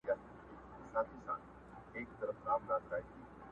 خدایه کشکي یا زه نه وای او داستا رنګین جهان وای،